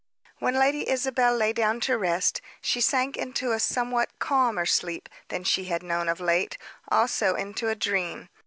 When Lady Isabel lay down to rest, she sank into a somewhat calmer sleep than she had known of late; also into a dream.